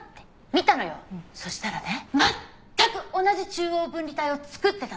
そしたらね全く同じ中央分離帯を造ってたの！